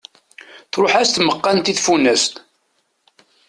Truḥ-as tmaqqant i tfunast.